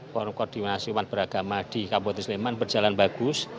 koordinasi umat beragama di kabupaten sleman berjalan bagus